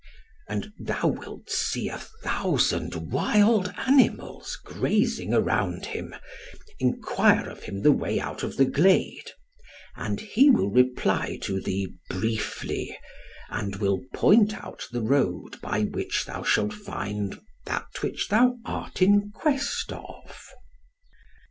And thou wilt see a thousand wild animals, grazing around him. Enquire of him the way out of the glade, and he will reply to thee briefly, and will point out the road, by which thou shalt find that which thou art in quest of.'